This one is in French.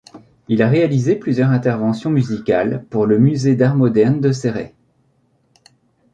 Il a réalisé plusieurs interventions musicales pour le musée d'art moderne de Céret.